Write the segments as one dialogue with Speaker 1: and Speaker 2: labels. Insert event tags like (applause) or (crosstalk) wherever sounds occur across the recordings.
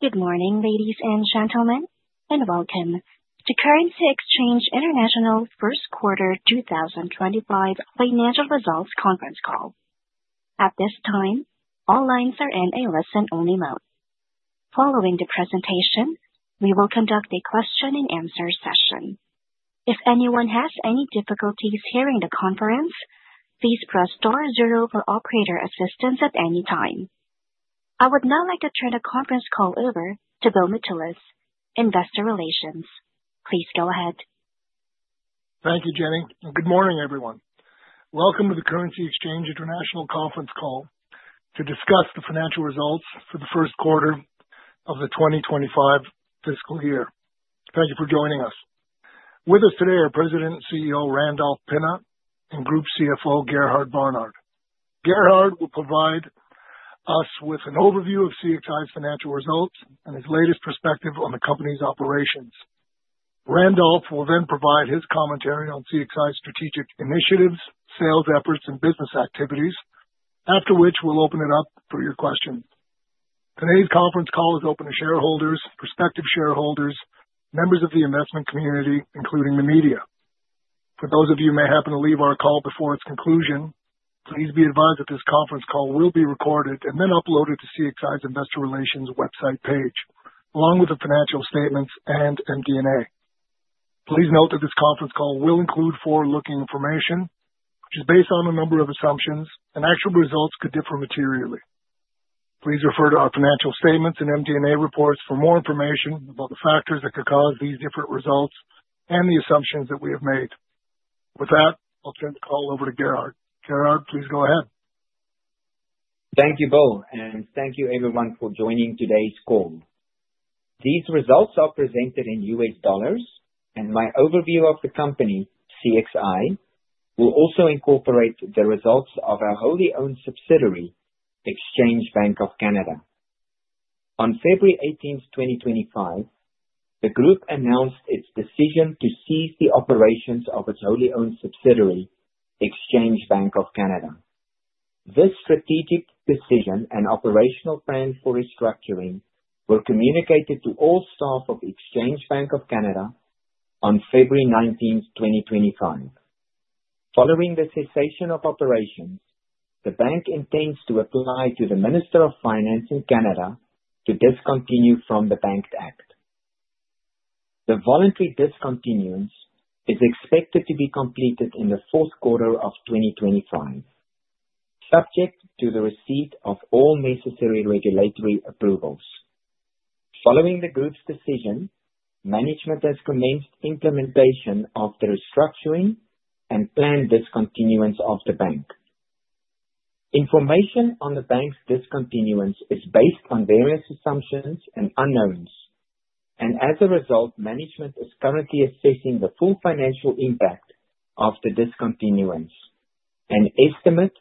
Speaker 1: Good morning, ladies and gentlemen, and Welcome to Currency Exchange International's First Quarter 2025 Financial Results Conference Call. At this time, all lines are in a listen-only mode. Following the presentation, we will conduct a question-and-answer session. If anyone has any difficulties hearing the conference, please press star zero for operator assistance at any time. I would now like to turn the conference call over to Bill Mitoulas, Investor Relations. Please go ahead.
Speaker 2: Thank you, Jenny. Good morning, everyone. Welcome to the Currency Exchange International conference call to discuss the financial results for the first quarter of the 2025 fiscal year. Thank you for joining us. With us today are President and CEO Randolph Pinna and Group CFO Gerhard Barnard. Gerhard will provide us with an overview of CXI's financial results and his latest perspective on the company's operations. Randolph will then provide his commentary on CXI's strategic initiatives, sales efforts, and business activities, after which we will open it up for your questions. Today's conference call is open to shareholders, prospective shareholders, members of the investment community, including the media. For those of you who may happen to leave our call before its conclusion, please be advised that this conference call will be recorded and then uploaded to CXI's Investor Relations website page, along with the financial statements and MD&A. Please note that this conference call will include forward-looking information, which is based on a number of assumptions, and actual results could differ materially. Please refer to our financial statements and MD&A reports for more information about the factors that could cause these different results and the assumptions that we have made. With that, I'll turn the call over to Gerhard. Gerhard, please go ahead.
Speaker 3: Thank you, Bill, and thank you, everyone, for joining today's call. These results are presented in US dollars, and my overview of the company, CXI, will also incorporate the results of our wholly-owned subsidiary, Exchange Bank of Canada. On February 18, 2025, the Group announced its decision to cease the operations of its wholly-owned subsidiary, Exchange Bank of Canada. This strategic decision and operational plan for restructuring were communicated to all staff of Exchange Bank of Canada on February 19, 2025. Following the cessation of operations, the Bank intends to apply to the Minister of Finance in Canada to discontinue from the Bank Act. The voluntary discontinuance is expected to be completed in the fourth quarter of 2025, subject to the receipt of all necessary regulatory approvals. Following the Group's decision, management has commenced implementation of the restructuring and planned discontinuance of the Bank. Information on the Bank's discontinuance is based on various assumptions and unknowns, and as a result, management is currently assessing the full financial impact of the discontinuance, and estimate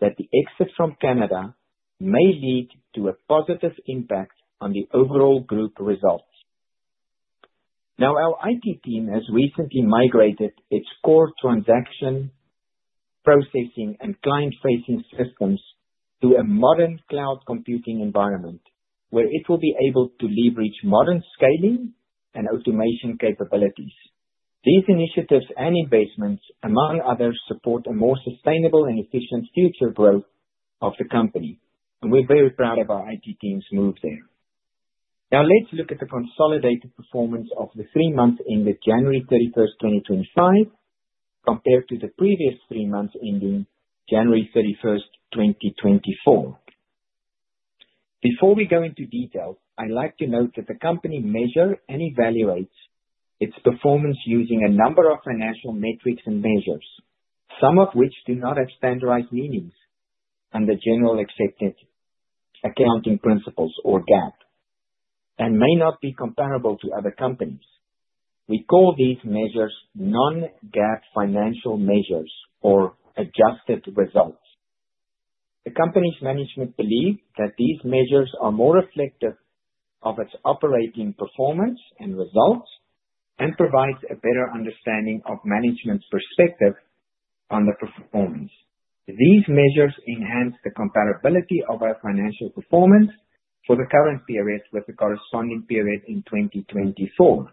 Speaker 3: that the exit from Canada may lead to a positive impact on the overall Group results. Now, our IT team has recently migrated its core transaction processing and client-facing systems to a modern cloud computing environment, where it will be able to leverage modern scaling and automation capabilities. These initiatives and investments, among others, support a more sustainable and efficient future growth of the company, and we're very proud of our IT team's move there. Now, let's look at the consolidated performance of the three months ended January 31, 2025, compared to the previous three months ending January 31, 2024. Before we go into details, I'd like to note that the company measures and evaluates its performance using a number of financial metrics and measures, some of which do not have standardized meanings under generally accepted accounting principles or GAAP, and may not be comparable to other companies. We call these measures non-GAAP financial measures or adjusted results. The company's management believes that these measures are more reflective of its operating performance and results and provide a better understanding of management's perspective on the performance. These measures enhance the comparability of our financial performance for the current period with the corresponding period in 2024.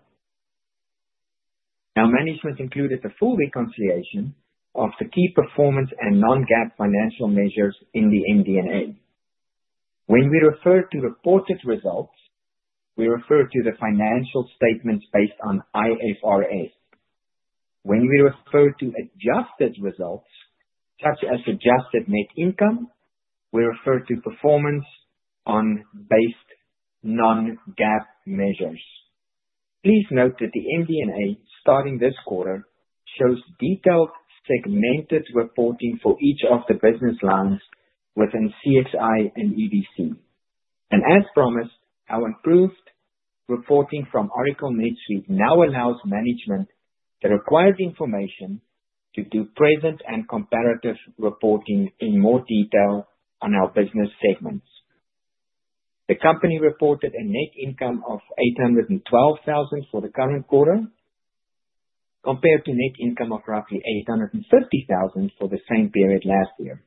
Speaker 3: Now, management included a full reconciliation of the key performance and non-GAAP financial measures in the MD&A. When we refer to reported results, we refer to the financial statements based on IFRS. When we refer to adjusted results, such as adjusted net income, we refer to performance on based non-GAAP measures. Please note that the MD&A, starting this quarter, shows detailed segmented reporting for each of the business lines within CXI and EBC. As promised, our improved reporting from Oracle NetSuite now allows management the required information to do present and comparative reporting in more detail on our business segments. The company reported a net income of $812,000 for the current quarter, compared to net income of roughly $850,000 for the same period last year.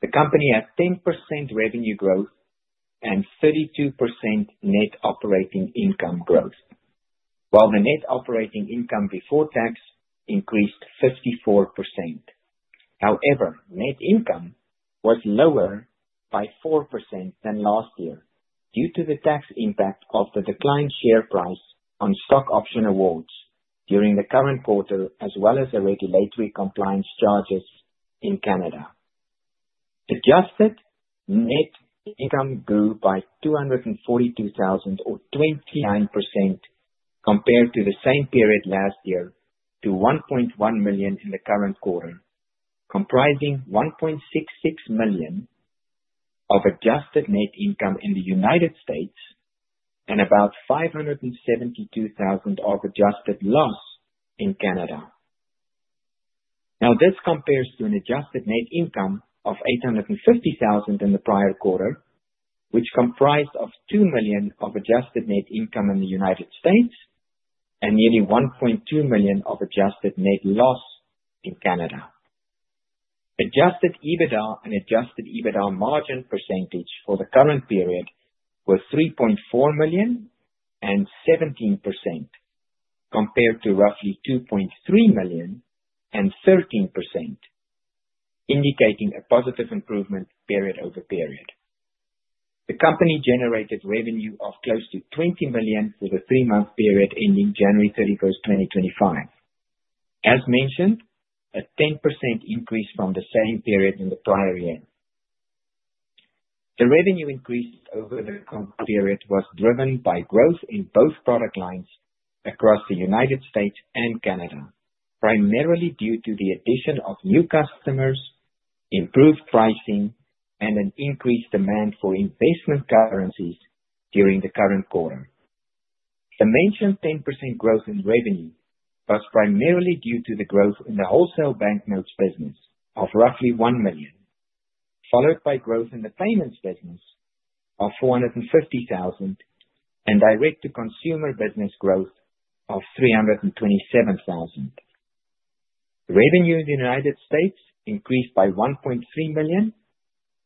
Speaker 3: The company had 10% revenue growth and 32% net operating income growth, while the net operating income before tax increased 54%. However, net income was lower by 4% than last year due to the tax impact of the declined share price on stock option awards during the current quarter, as well as the regulatory compliance charges in Canada. Adjusted net income grew by $242,000, or 29%, compared to the same period last year, to $1.1 million in the current quarter, comprising $1.66 million of adjusted net income in the United States and about $572,000 of adjusted loss in Canada. Now, this compares to an adjusted net income of $850,000 in the prior quarter, which comprised $2 million of adjusted net income in the United States and nearly $1.2 million of adjusted net loss in Canada. Adjusted EBITDA and adjusted EBITDA margin percentage for the current period were $3.4 million and 17%, compared to roughly $2.3 million and 13%, indicating a positive improvement period over period. The company generated revenue of close to $20 million for the three-month period ending January 31, 2025. As mentioned, a 10% increase from the same period in the prior year. The revenue increase over the current period was driven by growth in both product lines across the United States and Canada, primarily due to the addition of new customers, improved pricing, and an increased demand for investment currencies during the current quarter. The mentioned 10% growth in revenue was primarily due to the growth in the wholesale banknotes business of roughly $1 million, followed by growth in the payments business of $450,000 and direct-to-consumer business growth of $327,000. Revenue in the United States increased by $1.3 million,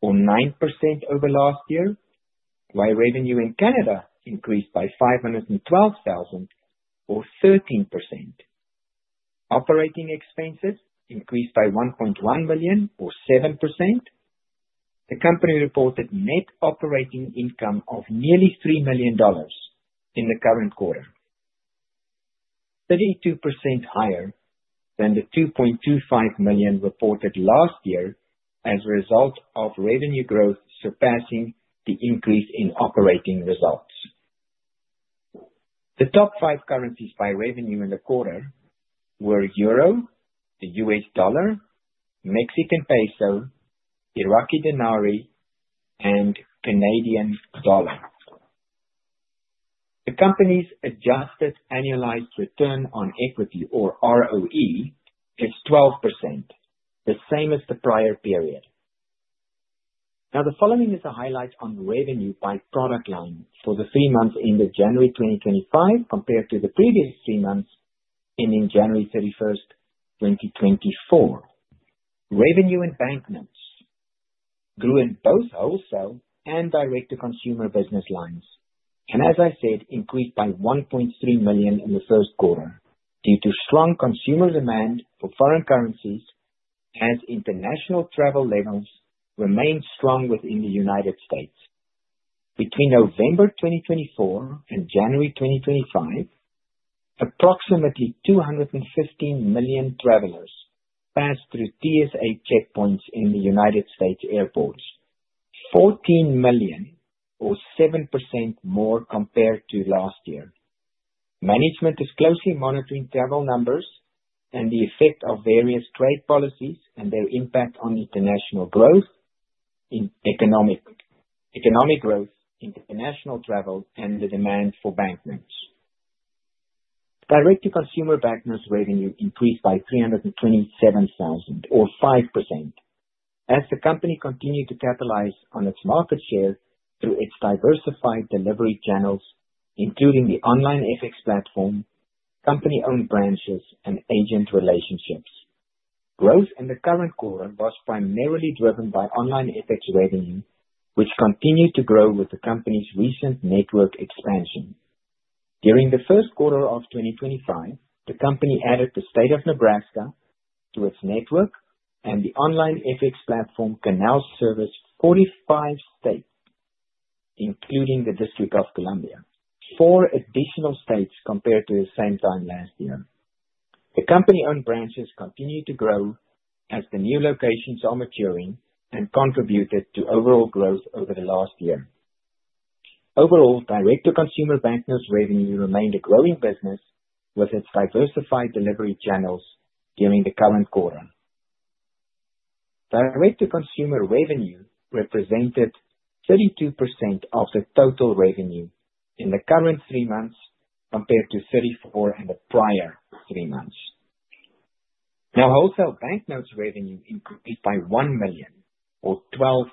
Speaker 3: or 9% over last year, while revenue in Canada increased by $512,000, or 13%. Operating expenses increased by $1.1 million, or 7%. The company reported net operating income of nearly $3 million in the current quarter, 32% higher than the $2.25 million reported last year as a result of revenue growth surpassing the increase in operating results. The top five currencies by revenue in the quarter were Euro, the US dollar, Mexican Peso, Iraqi Dinar, and Canadian Dollar. The company's adjusted annualized return on equity, or ROE, is 12%, the same as the prior period. Now, the following is a highlight on revenue by product line for the three months ended January 2025, compared to the previous three months ending January 31, 2024. Revenue in banknotes grew in both wholesale and direct-to-consumer business lines, and as I said, increased by $1.3 million in the first quarter due to strong consumer demand for foreign currencies as international travel levels remained strong within the United States. Between November 2024 and January 2025, approximately 215 million travelers passed through TSA checkpoints in United States airports, $14 million, or 7% more compared to last year. Management is closely monitoring travel numbers and the effect of various trade policies and their impact on international growth, economic growth, international travel, and the demand for banknotes. Direct-to-consumer banknotes revenue increased by $327,000, or 5%, as the company continued to capitalize on its market share through its diversified delivery channels, including the online FX platform, company-owned branches, and agent relationships. Growth in the current quarter was primarily driven by online FX revenue, which continued to grow with the company's recent network expansion. During the first quarter of 2025, the company added the state of Nebraska to its network, and the online FX platform can now service 45 states, including the District of Columbia, four additional states compared to the same time last year. The company-owned branches continue to grow as the new locations are maturing and contributed to overall growth over the last year. Overall, direct-to-consumer banknotes revenue remained a growing business with its diversified delivery channels during the current quarter. Direct-to-consumer revenue represented 32% of the total revenue in the current three months compared to 34% in the prior three months. Now, wholesale banknotes revenue increased by $1 million, or 12%,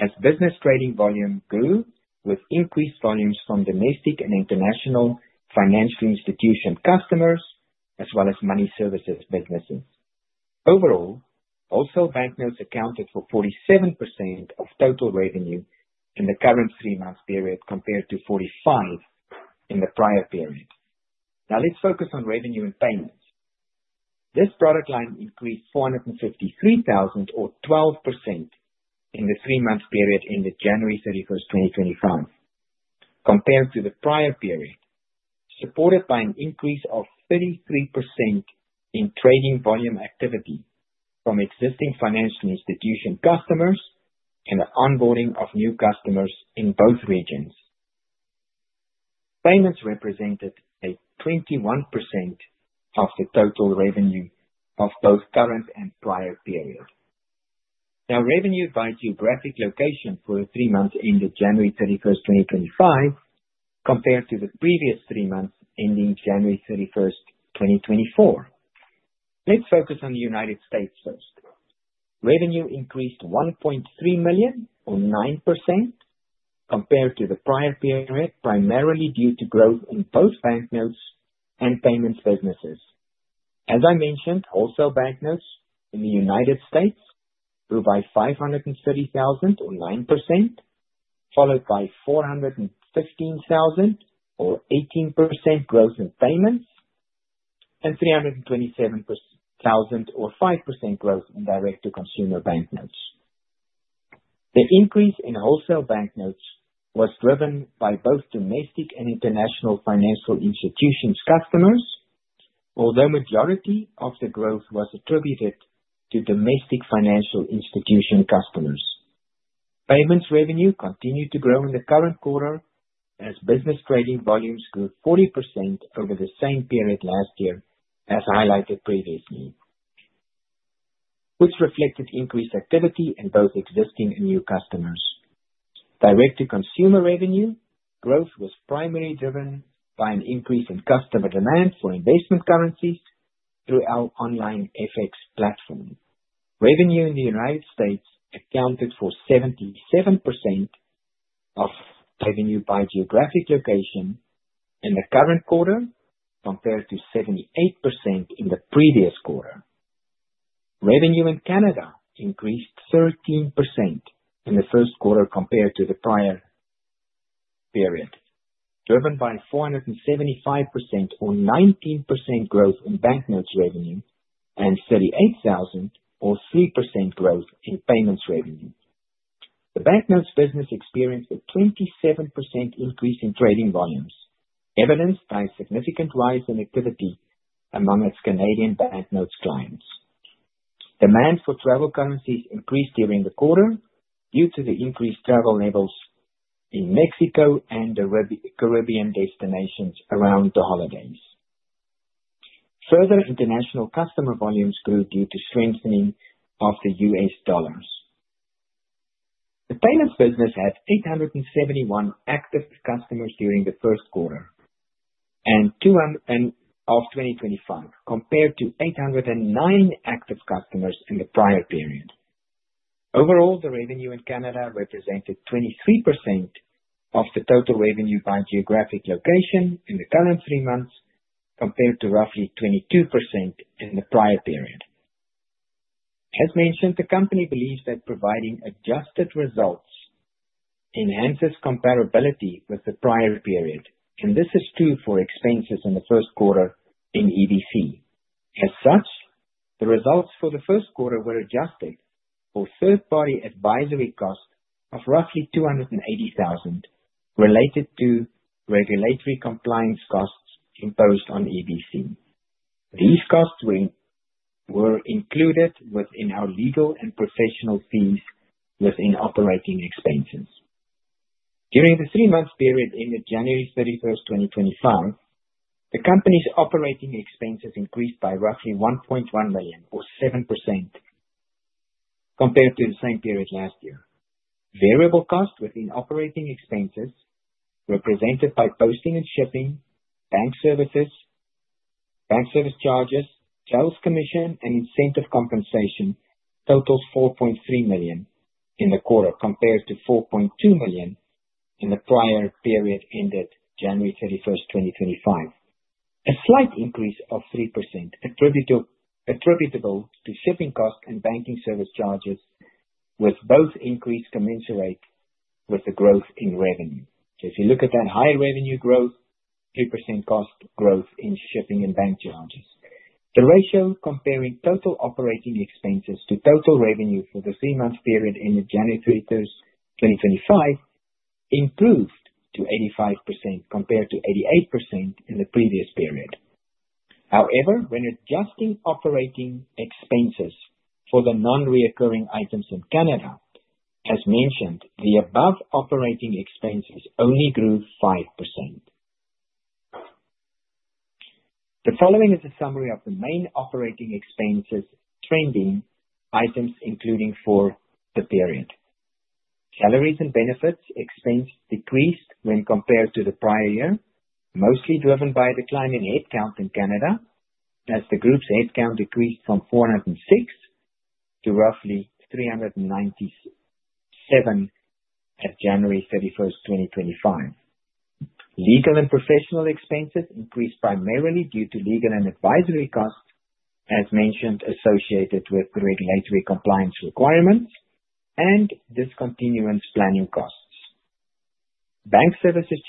Speaker 3: as business trading volume grew with increased volumes from domestic and international financial institution customers, as well as money services businesses. Overall, wholesale banknotes accounted for 47% of total revenue in the current three-month period compared to 45% in the prior period. Now, let's focus on revenue in payments. This product line increased $453,000, or 12%, in the three-month period ended January 31, 2025, compared to the prior period, supported by an increase of 33% in trading volume activity from existing financial institution customers and the onboarding of new customers in both regions. Payments represented 21% of the total revenue of both current and prior period. Now, revenue by geographic location for the three months ended January 31, 2025, compared to the previous three months ending January 31, 2024. Let's focus on the United States first. Revenue increased $1.3 million, or 9%, compared to the prior period, primarily due to growth in both banknotes and payments businesses. As I mentioned, wholesale banknotes in the United States grew by $530,000, or 9%, followed by $415,000, or 18% growth in payments, and $327,000, or 5% growth in direct-to-consumer banknotes. The increase in wholesale banknotes was driven by both domestic and international financial institutions customers, although the majority of the growth was attributed to domestic financial institution customers. Payments revenue continued to grow in the current quarter as business trading volumes grew 40% over the same period last year, as highlighted previously, which reflected increased activity in both existing and new customers. Direct-to-consumer revenue growth was primarily driven by an increase in customer demand for investment currencies through our online FX platform. Revenue in the United States accounted for 77% of revenue by geographic location in the current quarter, compared to 78% in the previous quarter. Revenue in Canada increased 13% in the first quarter compared to the prior period, driven by 475%, or 19% growth in banknotes revenue and $38,000, or 3% growth in payments revenue. The banknotes business experienced a 27% increase in trading volumes, evidenced by a significant rise in activity among its Canadian banknotes clients. Demand for travel currencies increased during the quarter due to the increased travel levels in Mexico and the Caribbean destinations around the holidays. Further international customer volumes grew due to strengthening of the US dollar. The payments business had 871 active customers during the first quarter and of 2025, compared to 809 active customers in the prior period. Overall, the revenue in Canada represented 23% of the total revenue by geographic location in the current three months, compared to roughly 22% in the prior period. As mentioned, the company believes that providing adjusted results enhances comparability with the prior period, and this is true for expenses in the first quarter in EBC. As such, the results for the first quarter were adjusted for third-party advisory costs of roughly $280,000 related to regulatory compliance costs imposed on EBC. These costs were included within our legal and professional fees within operating expenses. During the three-month period ended January 31, 2025, the company's operating expenses increased by roughly $1.1 million, or 7%, compared to the same period last year. Variable costs within operating expenses represented by posting and shipping, bank services, bank service charges, sales commission, and incentive compensation totals $4.3 million in the quarter, compared to $4.2 million in the prior period ended January 31, 2025, a slight increase of 3% attributable to shipping costs and banking service charges, with both increased commensurate with the growth in revenue. If you look at that high revenue growth, 3% cost growth in shipping and bank charges, the ratio comparing total operating expenses to total revenue for the three-month period ended January 31, 2025, improved to 85% compared to 88% in the previous period. However, when adjusting operating expenses for the non-reoccurring items in Canada, as mentioned, the above operating expenses only grew 5%. The following is a summary of the main operating expenses trending items, including for the period. Salaries and benefits expense decreased when compared to the prior year, mostly driven by a decline in headcount in Canada, as the group's headcount decreased from 406 to roughly 397 at January 31, 2025. Legal and professional expenses increased primarily due to legal and advisory costs, as mentioned, associated with the regulatory compliance requirements and discontinuance planning costs. Bank services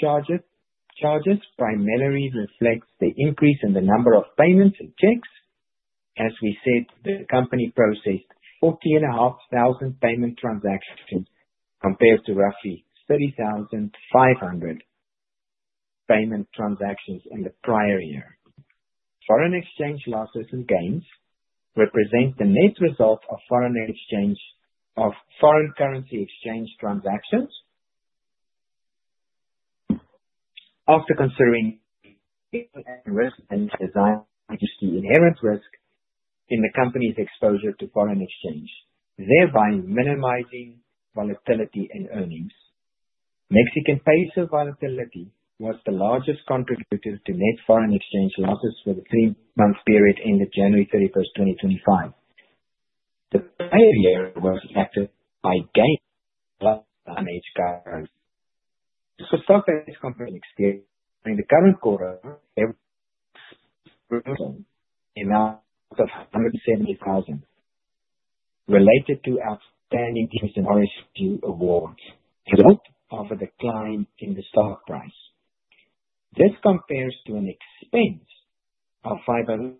Speaker 3: charges primarily reflect the increase in the number of payments and checks. As we said, the company processed 40,500 payment transactions compared to roughly 30,500 payment transactions in the prior year. Foreign exchange losses and gains represent the net result of foreign exchange of foreign currency exchange transactions after considering risk and designed to see inherent risk in the company's exposure to foreign exchange, thereby minimizing volatility in earnings. Mexican Peso volatility was the largest contributor to net foreign exchange losses for the three-month period ended January 31, 2025. The prior year was affected by gains on the same currency. This was Currency Exchange International's experience during the current quarter; it grew an amount of $170,000 related to outstanding deals and RSU awards. Result of a decline in the stock price. This compares to an expense of $506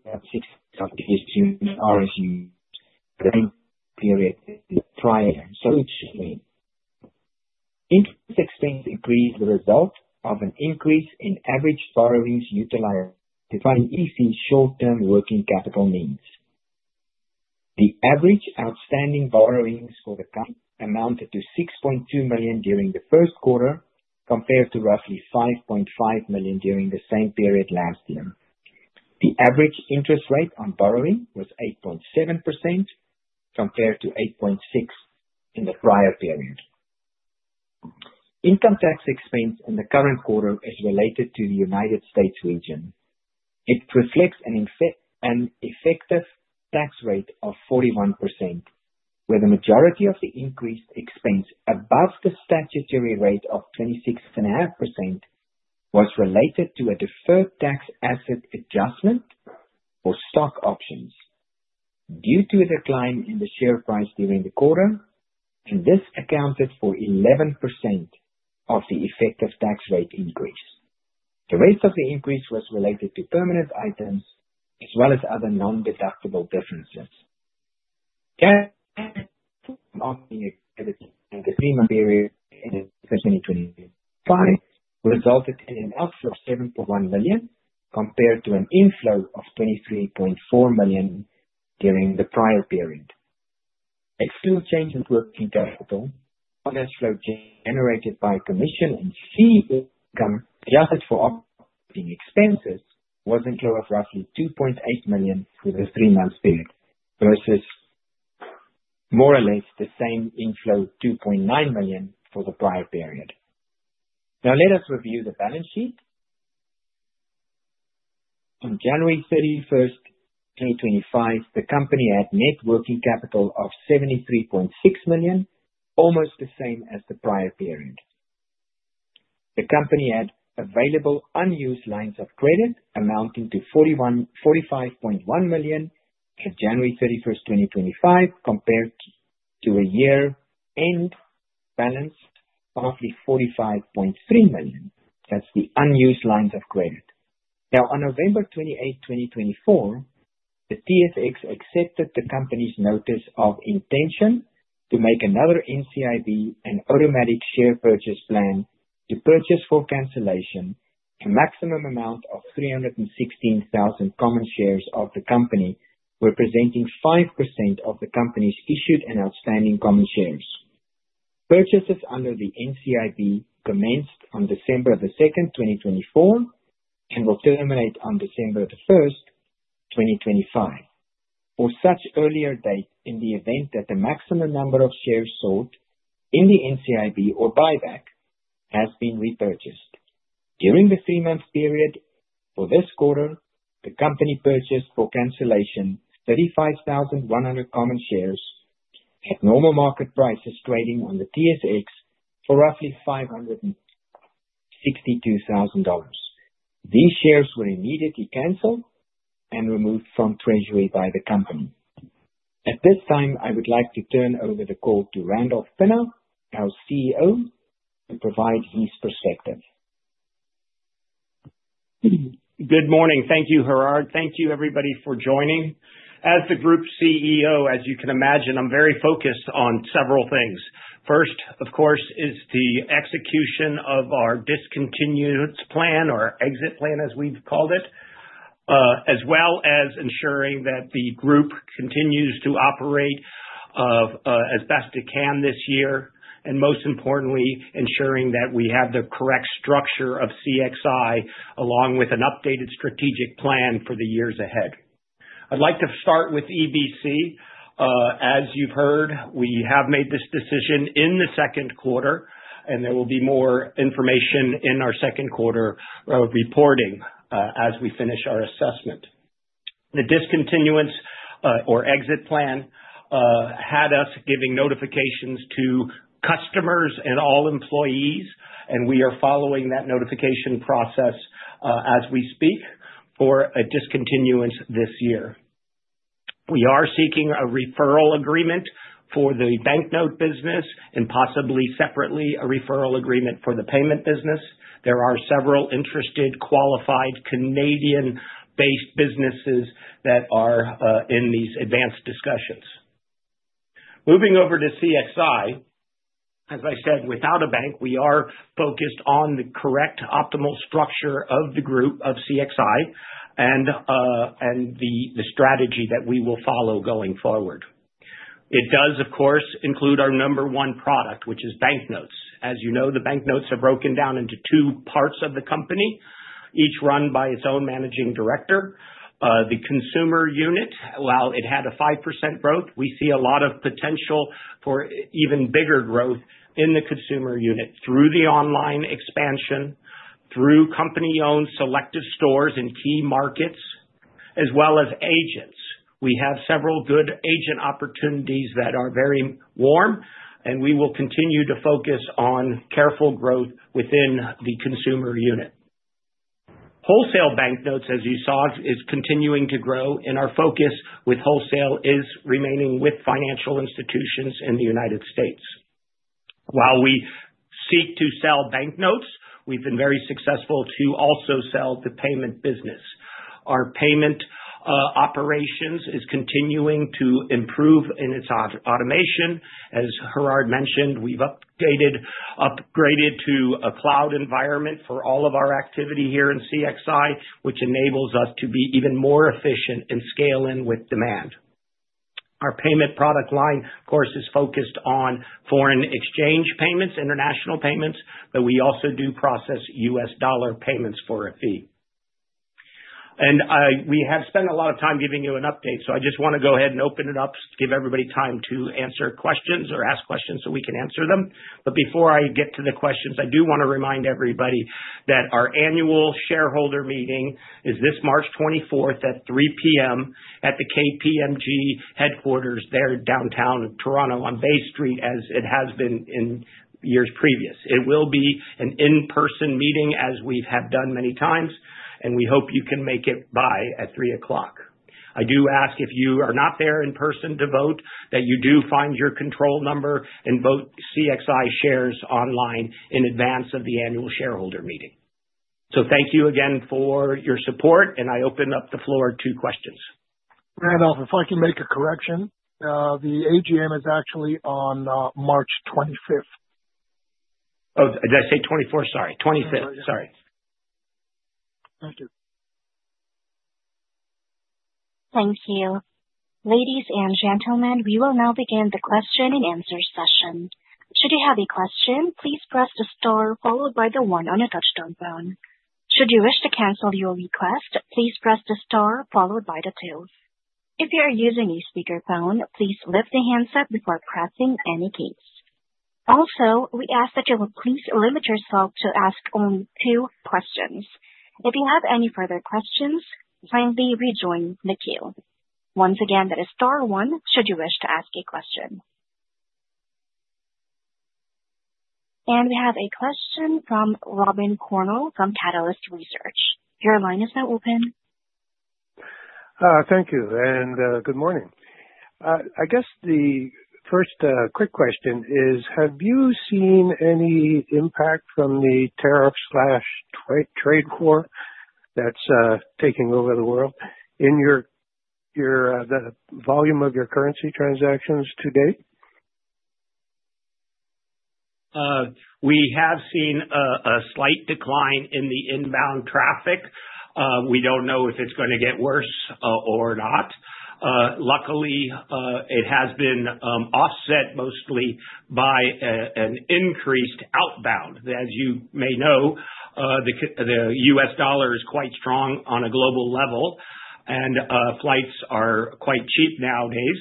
Speaker 3: of the RSU during the period the prior search. Interest expense increased the result of an increase in average borrowings utilized to fund EBC short-term working capital means. The average outstanding borrowings for the company amounted to $6.2 million during the first quarter compared to roughly $5.5 million during the same period last year. The average interest rate on borrowing was 8.7% compared to 8.6% in the prior period. Income tax expense in the current quarter is related to the United States region. It reflects an effective tax rate of 41%, where the majority of the increased expense above the statutory rate of 26.5% was related to a deferred tax asset adjustment for stock options due to a decline in the share price during the quarter, and this accounted for 11% of the effective tax rate increase. The rate of the increase was related to permanent items as well as other non-deductible differences. Cash flow (audio distortion) three-month period ended 2025 resulted in an outflow of $7.1 million compared to an inflow of $23.4 million during the prior period. Excluding change in working capital, cash flow generated by commission and fee income adjusted for operating expenses was inflow of roughly $2.8 million for the three-month period versus more or less the same inflow of $2.9 million for the prior period. Now, let us review the balance sheet. On January 31, 2025, the company had net working capital of $73.6 million, almost the same as the prior period. The company had available unused lines of credit amounting to $45.1 million at January 31, 2025, compared to a year-end balance of roughly $45.3 million. That's the unused lines of credit. Now, on November 28, 2024, the TSX accepted the company's notice of intention to make another NCIB and automatic share purchase plan to purchase for cancellation. A maximum amount of 316,000 common shares of the company representing 5% of the company's issued and outstanding common shares. Purchases under the NCIB commenced on December 2, 2024, and will terminate on December 1, 2025, or such earlier date in the event that the maximum number of shares sold in the NCIB or buyback has been repurchased. During the three-month period for this quarter, the company purchased for cancellation 35,100 common shares at normal market prices trading on the TSX for roughly $562,000. These shares were immediately canceled and removed from treasury by the company. At this time, I would like to turn over the call to Randolph Pinna, our CEO, to provide his perspective.
Speaker 4: Good morning. Thank you, Gerhard. Thank you, everybody, for joining. As the group CEO, as you can imagine, I'm very focused on several things. First, of course, is the execution of our discontinuance plan, or exit plan, as we've called it, as well as ensuring that the group continues to operate as best it can this year, and most importantly, ensuring that we have the correct structure of CXI along with an updated strategic plan for the years ahead. I'd like to start with EBC. As you've heard, we have made this decision in the second quarter, and there will be more information in our second quarter reporting as we finish our assessment. The discontinuance or exit plan had us giving notifications to customers and all employees, and we are following that notification process as we speak for a discontinuance this year. We are seeking a referral agreement for the banknote business and possibly separately a referral agreement for the payment business. There are several interested qualified Canadian-based businesses that are in these advanced discussions. Moving over to CXI. As I said, without a bank, we are focused on the correct optimal structure of the group of CXI and the strategy that we will follow going forward. It does, of course, include our number one product, which is banknotes. As you know, the banknotes are broken down into two parts of the company, each run by its own managing director. The consumer unit, while it had a 5% growth, we see a lot of potential for even bigger growth in the consumer unit through the online expansion, through company-owned selective stores in key markets, as well as agents. We have several good agent opportunities that are very warm, and we will continue to focus on careful growth within the consumer unit. Wholesale banknotes, as you saw, is continuing to grow, and our focus with wholesale is remaining with financial institutions in the United States. While we seek to sell banknotes, we've been very successful to also sell the payment business. Our payment operations are continuing to improve in its automation. As Gerhard mentioned, we've upgraded to a cloud environment for all of our activity here in CXI, which enables us to be even more efficient and scale in with demand. Our payment product line, of course, is focused on foreign exchange payments, international payments, but we also do process US dollar payments for a fee. We have spent a lot of time giving you an update, so I just want to go ahead and open it up to give everybody time to answer questions or ask questions so we can answer them. Before I get to the questions, I do want to remind everybody that our annual shareholder meeting is this March 24 at 3:00 P.M. at the KPMG headquarters there downtown Toronto on Bay Street, as it has been in years previous. It will be an in-person meeting, as we have done many times, and we hope you can make it by at 3:00 P.M. I do ask if you are not there in person to vote, that you do find your control number and vote CXI shares online in advance of the annual shareholder meeting. Thank you again for your support, and I open up the floor to questions.
Speaker 2: Randolph, if I can make a correction, the AGM is actually on March 25.
Speaker 4: Oh, did I say 24? Sorry. 25. Sorry.
Speaker 2: Thank you.
Speaker 1: Thank you. Ladies and gentlemen, we will now begin the question and answer session. Should you have a question, please press the star followed by the one on a touch-tone phone. Should you wish to cancel your request, please press the star followed by the two. If you are using a speakerphone, please lift the handset before pressing any keys. Also, we ask that you will please limit yourself to ask only two questions. If you have any further questions, kindly rejoin the queue. Once again, that is star one should you wish to ask a question. We have a question from Robin Cornwell from Catalyst Research. Your line is now open.
Speaker 5: Thank you, and good morning. I guess the first quick question is, have you seen any impact from the tariff/trade war that's taking over the world in the volume of your currency transactions to date?
Speaker 4: We have seen a slight decline in the inbound traffic. We don't know if it's going to get worse or not. Luckily, it has been offset mostly by an increased outbound. As you may know, the US dollar is quite strong on a global level, and flights are quite cheap nowadays.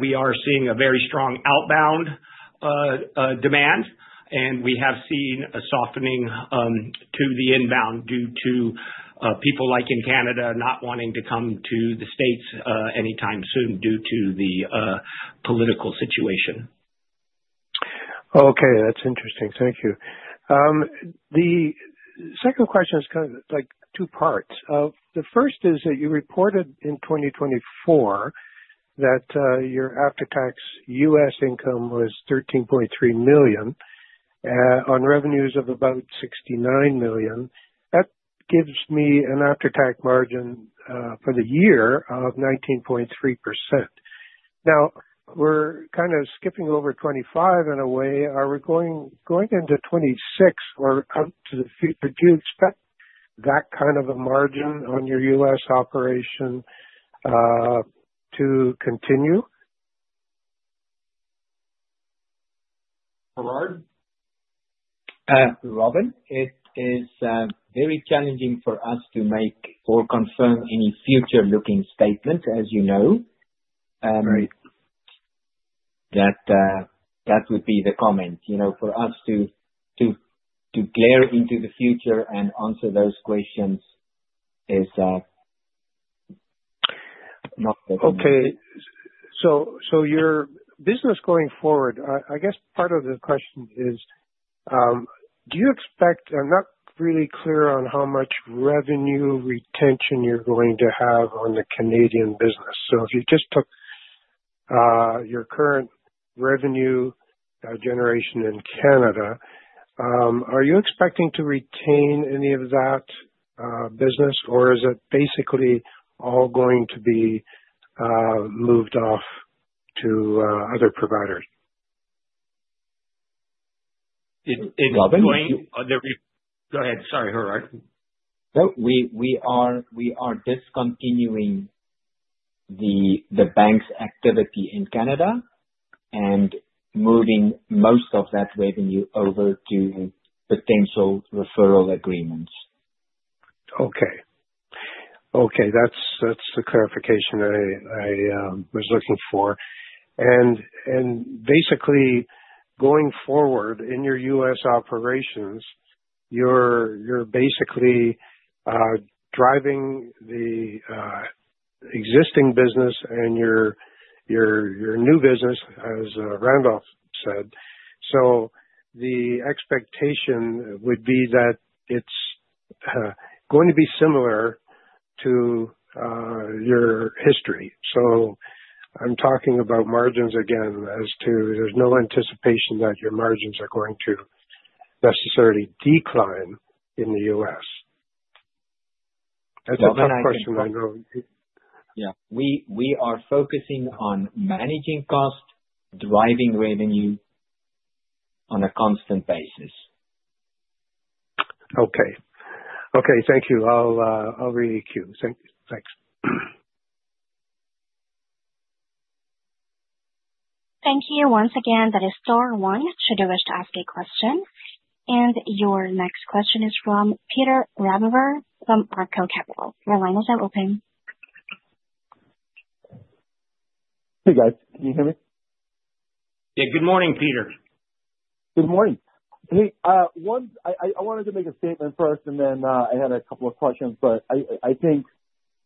Speaker 4: We are seeing a very strong outbound demand, and we have seen a softening to the inbound due to people like in Canada not wanting to come to the States anytime soon due to the political situation.
Speaker 5: Okay. That's interesting. Thank you. The second question is kind of like two parts. The first is that you reported in 2024 that your after-tax US income was $13.3 million on revenues of about $69 million. That gives me an after-tax margin for the year of 19.3%. Now, we're kind of skipping over 2025 in a way. Are we going into 2026 or up to the future? Do you expect that kind of a margin on your US operation to continue? Gerhard?
Speaker 3: Robin, it is very challenging for us to make or confirm any future-looking statements, as you know. That would be the comment. For us to glare into the future and answer those questions is not.
Speaker 5: Okay. So your business going forward, I guess part of the question is, do you expect—I'm not really clear on how much revenue retention you're going to have on the Canadian business. So if you just took your current revenue generation in Canada, are you expecting to retain any of that business, or is it basically all going to be moved off to other providers? It's going—Go ahead. Sorry, Gerhard.
Speaker 3: No, we are discontinuing the bank's activity in Canada and moving most of that revenue over to potential referral agreements.
Speaker 5: Okay. Okay. That's the clarification I was looking for. Basically, going forward in your US operations, you're basically driving the existing business and your new business, as Randolph said. The expectation would be that it's going to be similar to your history. I'm talking about margins again as to there's no anticipation that your margins are going to necessarily decline in the US. That's the last question I know.
Speaker 3: Yeah. We are focusing on managing cost, driving revenue on a constant basis.
Speaker 5: Okay. Okay. Thank you. I'll read the queue. Thanks.
Speaker 1: Thank you once again. That is star one should you wish to ask a question. Your next question is from Peter Rabover from Artko Capital. Your line is now open.
Speaker 6: Hey, guys. Can you hear me? Yeah.
Speaker 4: Good morning, Peter.
Speaker 6: Good morning. I wanted to make a statement first, and then I had a couple of questions. I think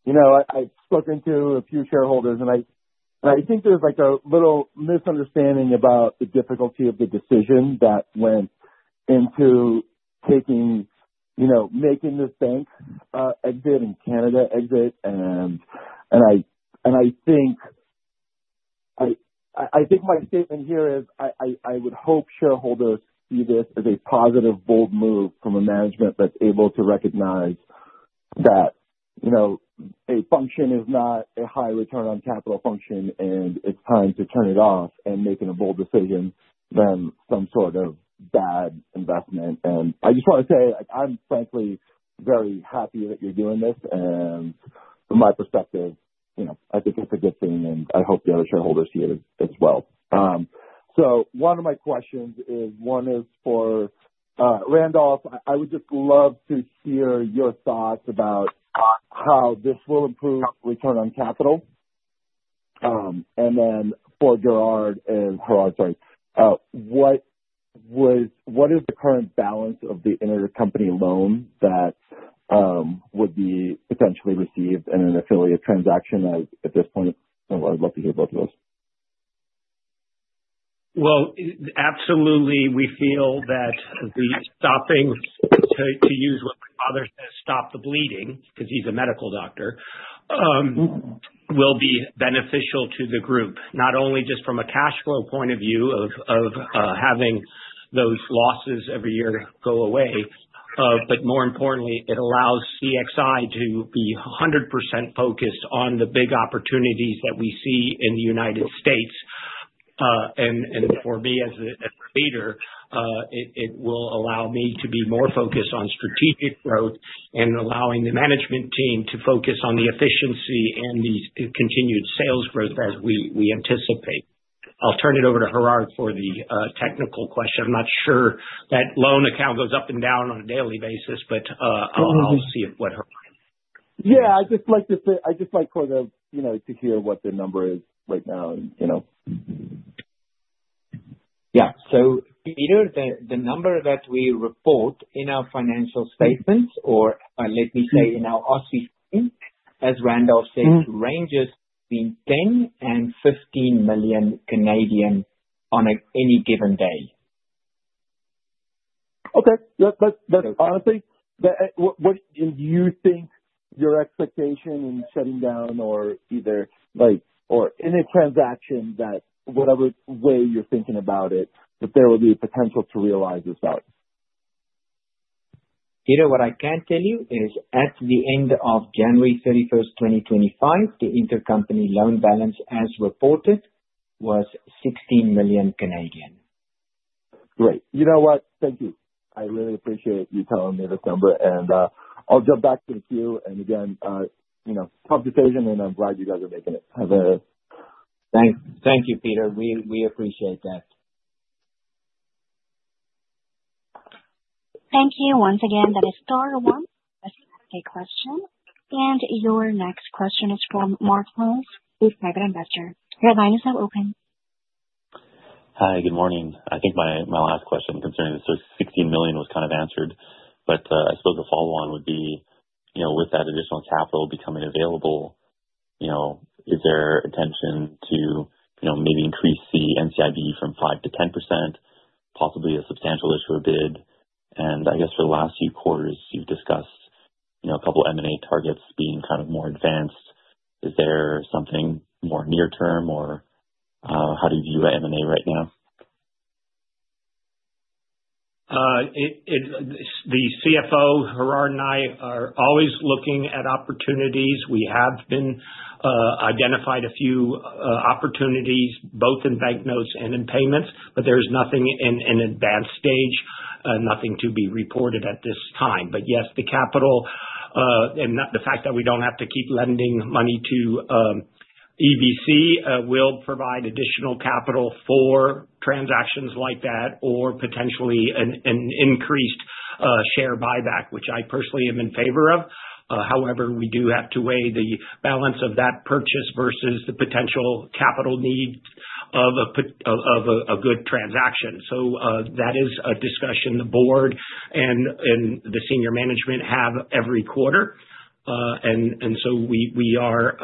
Speaker 6: I've spoken to a few shareholders, and I think there's a little misunderstanding about the difficulty of the decision that went into making this bank exit and Canada exit. I think my statement here is I would hope shareholders see this as a positive, bold move from a management that's able to recognize that a function is not a high return on capital function, and it's time to turn it off and make an evolved decision than some sort of bad investment. I just want to say I'm frankly very happy that you're doing this. From my perspective, I think it's a good thing, and I hope the other shareholders hear it as well. One of my questions is for Randolph. I would just love to hear your thoughts about how this will improve return on capital. For Gerhard and Gerhard, sorry, what is the current balance of the intercompany loan that would be potentially received in an affiliate transaction at this point? I'd love to hear both of those.
Speaker 4: Absolutely. We feel that stopping to use what my father says, stop the bleeding, because he's a medical doctor, will be beneficial to the group, not only just from a cash flow point of view of having those losses every year go away, but more importantly, it allows CXI to be 100% focused on the big opportunities that we see in the United States. For me as a leader, it will allow me to be more focused on strategic growth and allowing the management team to focus on the efficiency and the continued sales growth as we anticipate. I'll turn it over to Gerhard for the technical question. I'm not sure that loan account goes up and down on a daily basis, but I'll see what her mind is.
Speaker 6: Yeah. I just like to say I just like for them to hear what the number is right now.
Speaker 3: Yeah. So Peter, the number that we report in our financial statements or let me say in our OSFI, as Randolph says, ranges between 10 million-15 million on any given day.
Speaker 6: Okay. That's honestly what do you think your expectation in shutting down or either in a transaction that whatever way you're thinking about it, that there will be a potential to realize this value?
Speaker 3: Peter, what I can tell you is at the end of January 31, 2025, the intercompany loan balance as reported was 16 million.
Speaker 6: Great. You know what? Thank you. I really appreciate you telling me this number. I'll jump back to the queue. Again, tough decision, and I'm glad you guys are making it. Have a
Speaker 3: — Thanks. Thank you, Peter. We appreciate that.
Speaker 1: Thank you once again. That is star one asking a question. Your next question is from Mark Holmes with Private Investor. Your line is now open. Hi. Good morning. I think my last question concerning the $16 million was kind of answered, but I suppose the follow-on would be with that additional capital becoming available, is there attention to maybe increase the NCIB from 5% to 10%, possibly a substantial issue of bid? I guess for the last few quarters, you've discussed a couple of M&A targets being kind of more advanced. Is there something more near-term, or how do you view M&A right now?
Speaker 4: The CFO, Gerhard, and I are always looking at opportunities. We have identified a few opportunities both in banknotes and in payments, but there is nothing in an advanced stage, nothing to be reported at this time. Yes, the capital and the fact that we do not have to keep lending money to EBC will provide additional capital for transactions like that or potentially an increased share buyback, which I personally am in favor of. However, we do have to weigh the balance of that purchase versus the potential capital need of a good transaction. That is a discussion the board and the senior management have every quarter. We are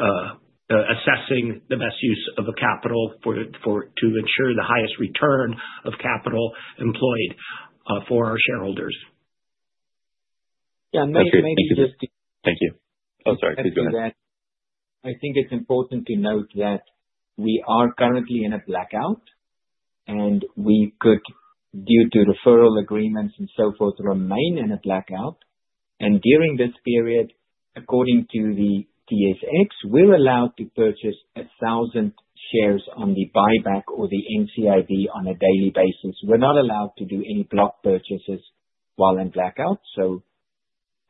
Speaker 4: assessing the best use of the capital to ensure the highest return of capital employed for our shareholders.
Speaker 3: Yeah. Maybe just— Thank you. Oh, sorry. Please go ahead. I think it's important to note that we are currently in a blackout, and we could, due to referral agreements and so forth, remain in a blackout. During this period, according to the TSX, we're allowed to purchase 1,000 shares on the buyback or the NCIB on a daily basis. We're not allowed to do any block purchases while in blackout.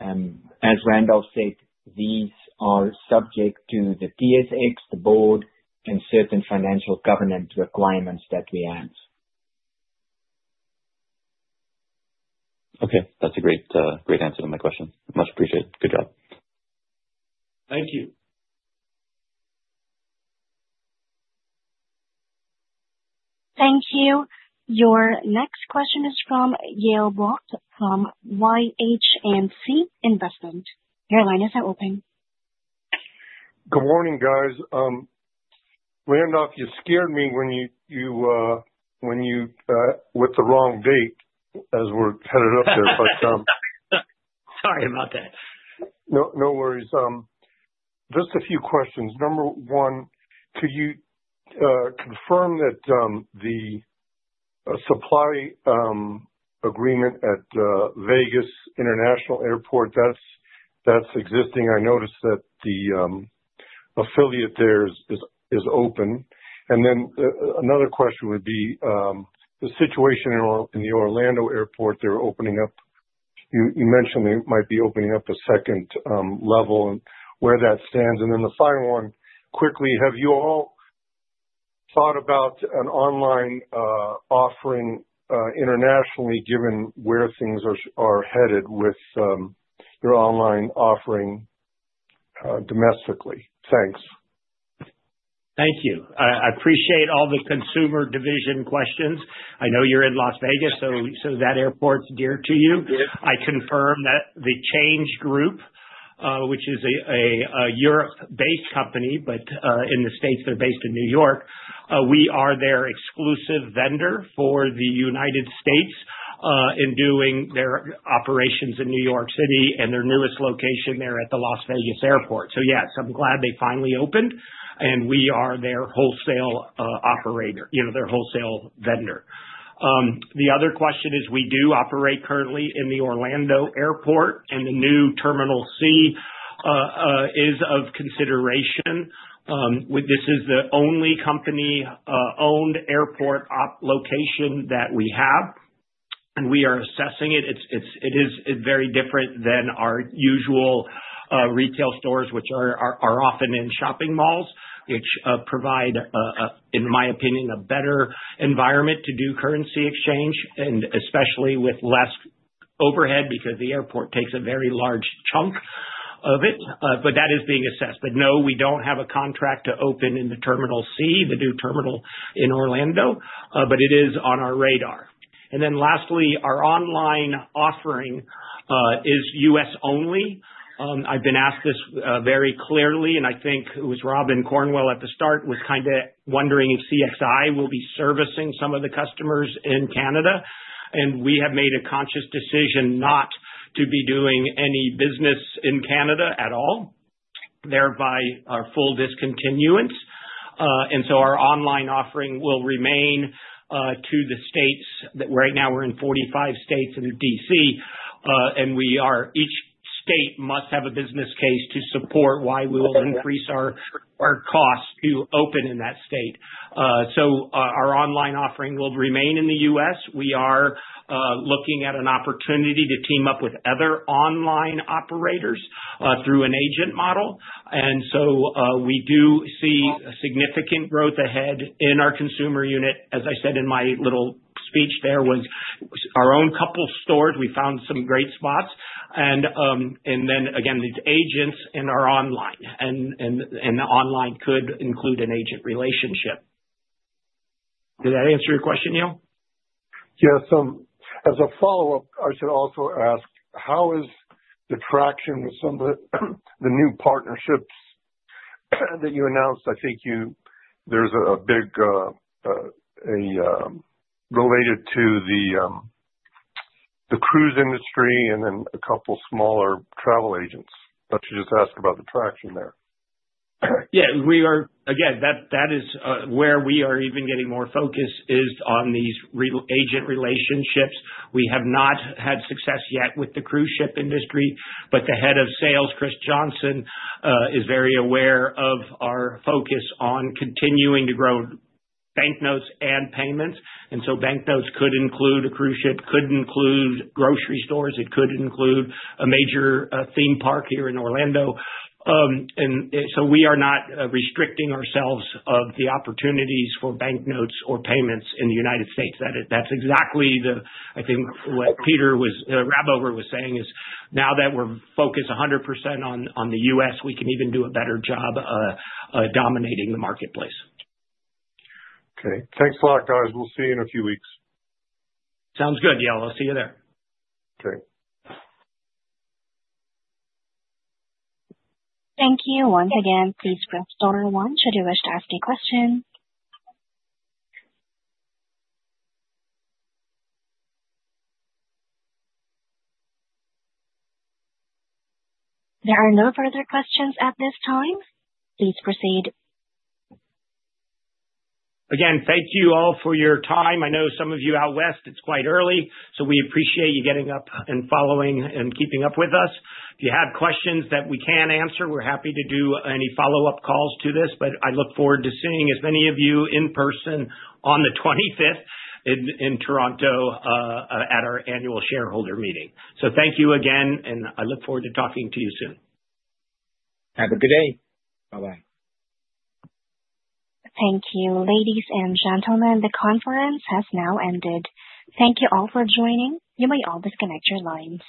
Speaker 3: As Randolph said, these are subject to the TSX, the board, and certain financial governance requirements that we have. Okay. That's a great answer to my question. Much appreciated. Good job.
Speaker 4: Thank you.
Speaker 1: Thank you. Your next question is from Yale Bock from YH&C Investments. Your line is now open.
Speaker 7: Good morning, guys. Randolph, you scared me with the wrong date as we're headed up there,
Speaker 4: but sorry about that.
Speaker 7: No worries. Just a few questions. Number one, could you confirm that the supply agreement at Vegas International Airport, that's existing? I noticed that the affiliate there is open. Another question would be the situation in the Orlando Airport they're opening up. You mentioned they might be opening up a second level and where that stands. The final one, quickly, have you all thought about an online offering internationally given where things are headed with your online offering domestically? Thanks.
Speaker 4: Thank you. I appreciate all the consumer division questions. I know you're in Las Vegas, so that airport's dear to you. I confirm that the Change Group, which is a Europe-based company, but in the States, they're based in New York. We are their exclusive vendor for the United States in doing their operations in New York City and their newest location there at the Las Vegas Airport. Yes, I'm glad they finally opened, and we are their wholesale operator, their wholesale vendor. The other question is we do operate currently in the Orlando Airport, and the new Terminal C is of consideration. This is the only company-owned airport location that we have, and we are assessing it. It is very different than our usual retail stores, which are often in shopping malls, which provide, in my opinion, a better environment to do currency exchange, especially with less overhead because the airport takes a very large chunk of it. That is being assessed. No, we don't have a contract to open in the Terminal C, the new terminal in Orlando, but it is on our radar. Lastly, our online offering is US only. I've been asked this very clearly, and I think it was Robin Cornwell at the start who was kind of wondering if CXI will be servicing some of the customers in Canada. We have made a conscious decision not to be doing any business in Canada at all, thereby our full discontinuance. Our online offering will remain to the states. Right now, we're in 45 states and DC, and each state must have a business case to support why we will increase our cost to open in that state. Our online offering will remain in the US. We are looking at an opportunity to team up with other online operators through an agent model. We do see significant growth ahead in our consumer unit. As I said in my little speech, there was our own couple of stores. We found some great spots. Then again, the agents and our online, and the online could include an agent relationship. Did that answer your question, Yale?
Speaker 7: Yeah. As a follow-up, I should also ask, how is the traction with some of the new partnerships that you announced? I think there is a big related to the cruise industry and then a couple of smaller travel agents. I should just ask about the traction there.
Speaker 4: Yeah. Again, that is where we are even getting more focus is on these agent relationships. We have not had success yet with the cruise ship industry, but the Head of Sales, Chris Johnson, is very aware of our focus on continuing to grow banknotes and payments. Banknotes could include a cruise ship, could include grocery stores, it could include a major theme park here in Orlando. We are not restricting ourselves of the opportunities for banknotes or payments in the United States. That's exactly the, I think, what Peter Rabover was saying is now that we're focused 100% on the US, we can even do a better job of dominating the marketplace.
Speaker 7: Okay. Thanks a lot, guys. We'll see you in a few weeks.
Speaker 4: Sounds good. Yeah. I'll see you there.
Speaker 7: Okay.
Speaker 1: Thank you. Once again, please press star one should you wish to ask a question. There are no further questions at this time. Please proceed.
Speaker 4: Again, thank you all for your time. I know some of you out west, it's quite early, so we appreciate you getting up and following and keeping up with us. If you have questions that we can answer, we're happy to do any follow-up calls to this, but I look forward to seeing as many of you in person on the 25th in Toronto at our annual shareholder meeting. Thank you again, and I look forward to talking to you soon.
Speaker 3: Have a good day. Bye-bye.
Speaker 1: Thank you. Ladies and gentlemen, the conference has now ended. Thank you all for joining. You may all disconnect your lines.